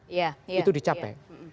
iya iya itu dicapai